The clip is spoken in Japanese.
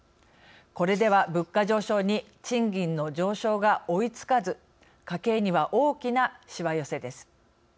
これでは物価上昇に賃金の上昇が追いつかず家計には大きなしわ寄せです。